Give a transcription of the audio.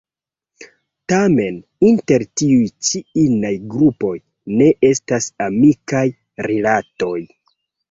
Tamen, inter tiuj ĉi inaj grupoj, ne estas amikaj rilatoj.